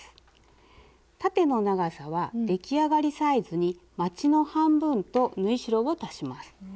縦の長さは出来上がりサイズにまちの半分と縫い代を足します。